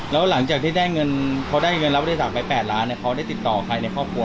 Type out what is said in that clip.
แล้วหลังจากที่ได้เงินพอได้เงินรับบริจาคไป๘ล้านเขาได้ติดต่อใครในครอบครัว